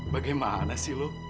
bagaimana sih lo